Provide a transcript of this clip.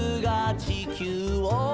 「地球を」